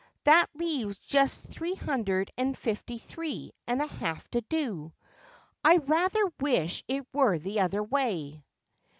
That leaves just three hundred and fifty three and a half to do. I rather wish it were the other way.'